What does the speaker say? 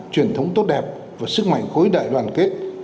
truyền thống tốt đẹp và sức mạnh khối đại đoàn kết